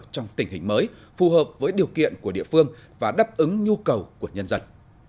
trong tình hình mới phù hợp với điều kiện của địa phương và đáp ứng nhu cầu của nhân dân